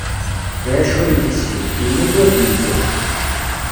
Iɛac ur yeksib, yemmut ur d-yeǧǧa.